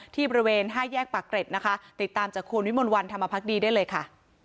ที่บริเวณห้าแยกปากเกร็ดนะคะติดตามจากคุณวิมลวันธรรมพักดีได้เลยค่ะ